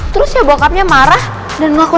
terus ya bokapnya marah dan ngaku ngaku